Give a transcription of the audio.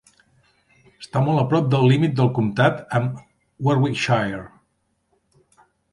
Està molt a prop del límit del comtat amb Warwickshire.